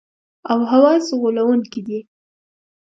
او حواس غولونکي دي.